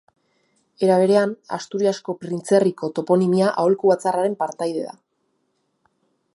Era berean, Asturiasko Printzerriko Toponimia Aholku Batzarraren partaide da.